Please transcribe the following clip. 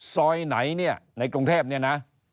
ซอยไหนเนี่ยในกรุงเทพเนี่ยนะ